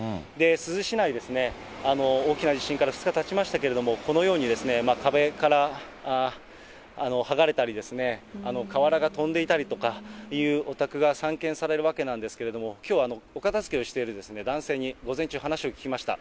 珠洲市内、大きな地震から２日たちましたけれども、このように壁から剥がれたりですね、瓦が飛んでいたりとかというお宅が散見されるわけなんですけれども、きょう、お片づけをしている男性に午前中、話を聞きました。